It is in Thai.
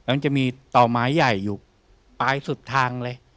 มันจะมีต่อไม้ใหญ่อยู่ปลายสุดทางเลย